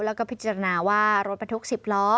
แล้วก็พิจารณาว่ารถบรรทุก๑๐ล้อ